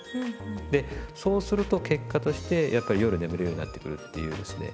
でそうすると結果としてやっぱり夜眠るようになってくるっていうですね